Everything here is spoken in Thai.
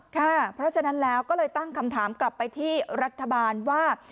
เพราะฉะนั้นแล้วก็เลยตั้งคำถามกลับไปที่รัฐบาลว่า